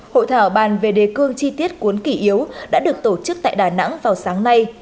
hội thảo bàn về đề cương chi tiết cuốn kỷ yếu đã được tổ chức tại đà nẵng vào sáng nay